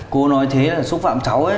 cô nói thế là xúc phạm cháu ấy